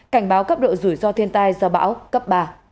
cảnh báo cấp độ rủi ro thiên tai do bão cấp ba